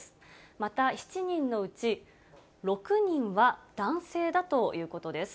また７人のうち、６人は男性だということです。